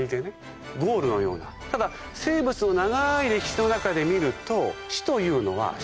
ただ生物の長い歴史の中で見ると。